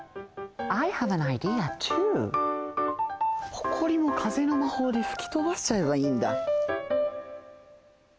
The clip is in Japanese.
ほこりもかぜのまほうでふきとばしちゃえばいいんだ。